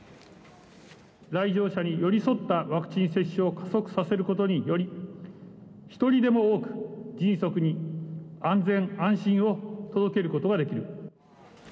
来場者に寄り添ったワクチン接種を加速させることにより、一人でも多く、迅速に、安全安心を届けることができる。